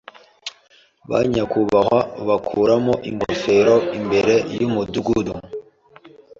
Ba nyakubahwa bakuramo ingofero imbere yumudamu.